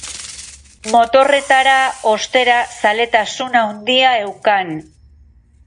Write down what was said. Motorretara, ostera, zaletasun handia eukan.